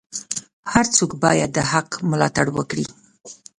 هر څوک باید د حق ملاتړ وکړي.